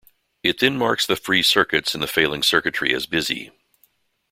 It then marks the free circuits in the failing circuitry as busy.